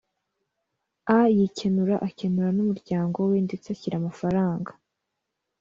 a yikenura akenura n umuryango we ndetse ashyira amafaranga